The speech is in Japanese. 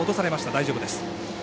大丈夫です。